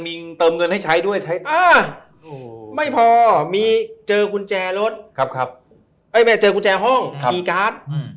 มีเติมเงินให้ใช้ด้วยไม่พอมีเจอกุญแจห้องมีการ์ด